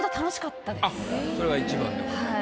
あっそれが一番でございます。